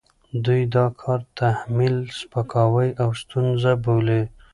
دوی دا کار تحمیل، سپکاوی او ستونزه بولي،